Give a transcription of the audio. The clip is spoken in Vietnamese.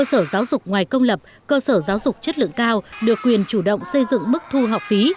trong hệ thống công lập cơ sở giáo dục chất lượng cao được quyền chủ động xây dựng mức thu học phí